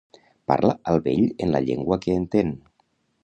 Parla al vell en la llengua que entén.